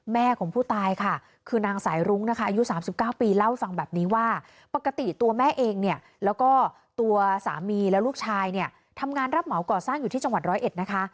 แม่ของผู้ตายค่ะคือนางสายรุ้งนะคะอายุ๓๙ปีเล่าให้ฟังแบบนี้ว่าปกติตัวแม่เองเนี่ยแล้วก็ตัวสามีและลูกชายเนี่ยทำงานรับเหมาก่อสร้างอยู่ที่จังหวัดร้อยเอ็ดนะคะ